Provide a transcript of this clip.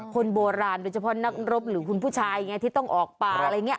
คนโบราณโดยเฉพาะนักรบหรือคุณผู้ชายไงที่ต้องออกป่าอะไรอย่างนี้